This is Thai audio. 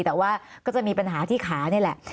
แต่ว่าก็จะมีปัญหาที่ขานี่แหละ